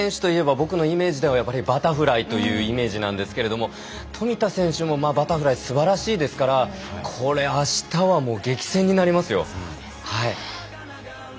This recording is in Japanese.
僕のイメージではバタフライというイメージなんですが富田選手もバタフライすばらしいですからこれ、あしたは激戦になりますよ。